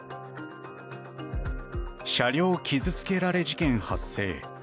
車両傷付けられ事件発生。